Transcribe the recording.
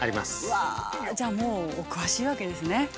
◆わぁじゃあ、もうお詳しいわけですね。